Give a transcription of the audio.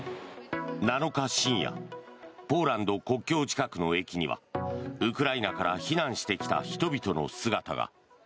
７日深夜ポーランド国境近くの駅にはウクライナから避難してきた人々の姿が。